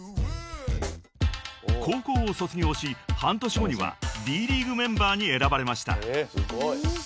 ［高校を卒業し半年後にはＤ．ＬＥＡＧＵＥメンバーに選ばれました］